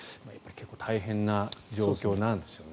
結構大変な状況なんですよね。